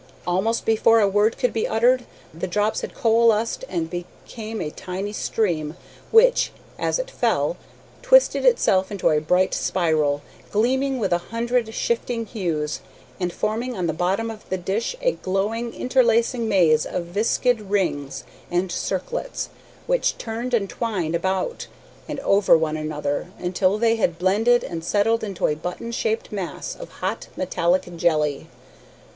Almost before a word could be uttered the drops had coalesced and become a tiny stream, which, as it fell, twisted itself into a bright spiral, gleaming with a hundred shifting hues, and forming on the bottom of the dish a glowing, interlacing maze of viscid rings and circlets, which turned and twined about and over one another, until they had blended and settled into a button shaped mass of hot metallic jelly.